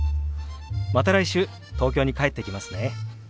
また来週東京に帰ってきますね。